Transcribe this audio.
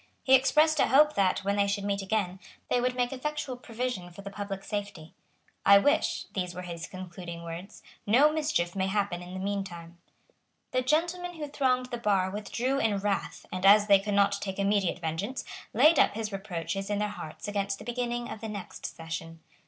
He expressed a hope that, when they should meet again, they would make effectual provision for the public safety. "I wish," these were his concluding words, "no mischief may happen in the mean time." The gentlemen who thronged the bar withdrew in wrath, and, as they could not take immediate vengeance, laid up his reproaches in their hearts against the beginning of the next session.